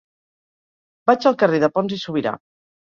Vaig al carrer de Pons i Subirà.